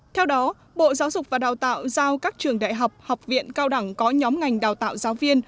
theo đó bộ giáo dục và đào tạo giao các trường đại học học viện cao đẳng có nhóm ngành đào tạo giáo viên